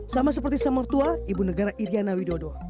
sama seperti sama mertua ibu negara iryana widodo